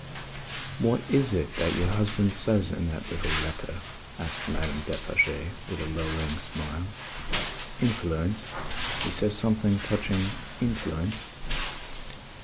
"What is it that your husband says in that little letter?" asked Madame Defarge, with a lowering smile. "Influence; he says something touching influence?"